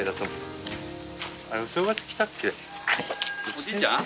おじいちゃん？